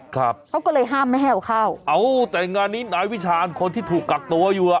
ครับเขาก็เลยห้ามไม่ให้เอาเข้าเอาแต่งานนี้นายวิชาญคนที่ถูกกักตัวอยู่อ่ะ